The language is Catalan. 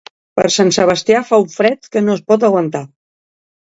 Per Sant Sebastià fa un fred que no es pot aguantar.